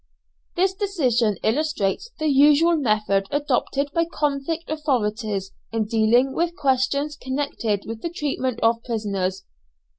This decision illustrates the usual method adopted by convict authorities in dealing with questions connected with the treatment of prisoners.